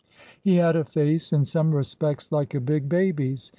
He had a face in some respects like a big baby's.